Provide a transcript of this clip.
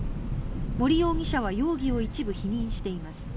森容疑者は容疑を一部否認しています。